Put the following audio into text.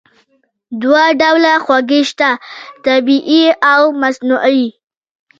دوه ډوله خوږې شته: طبیعي او مصنوعي.